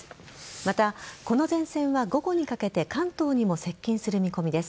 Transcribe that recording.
また、この前線は午後にかけて関東にも接近する見込みです。